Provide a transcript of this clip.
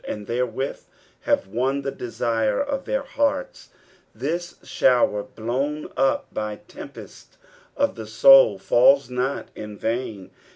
and therewith have won the desire of their hearts !—" This shower, blown up by tempest of the soul," falls not in vain.